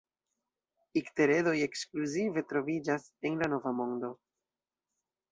Ikteredoj ekskluzive troviĝas en la Nova Mondo.